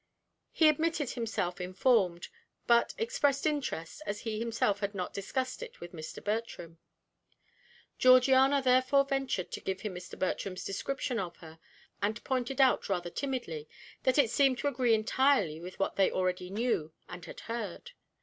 He admitted himself informed, but expressed interest, as he himself had not discussed it with Mr. Bertram. Georgiana therefore ventured to give him Mr. Bertram's description of her, and pointed out rather timidly that it seemed to agree entirely with what they already knew and had heard.